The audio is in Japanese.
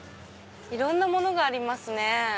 いろんなものがありますね。